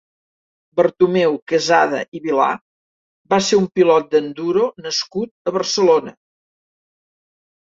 Bertomeu Quesada i Vilar va ser un pilot d'enduro nascut a Barcelona.